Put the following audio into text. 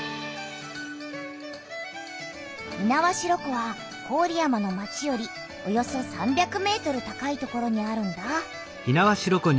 猪苗代湖は郡山の町よりおよそ３００ｍ高い所にあるんだ。